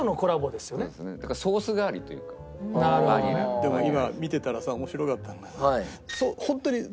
でも今見てたらさ面白かったのがさ